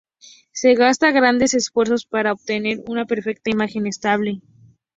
Se gasta grandes esfuerzos para obtener una perfecta imagen estable.